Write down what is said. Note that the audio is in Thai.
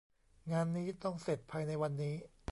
งานนี้ต้องเสร็จภายในวันนี้